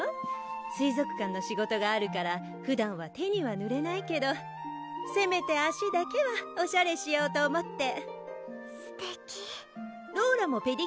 水族館の仕事があるからふだんは手にはぬれないけどせめて足だけはおしゃれしようと思ってすてきローラもペディキュアぬってみる？